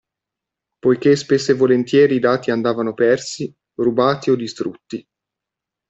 Poiché spesso e volentieri i dati andavano persi, rubati o distrutti.